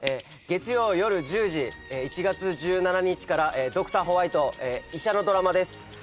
月曜夜１０時１月１７日から『ドクターホワイト』医者のドラマです。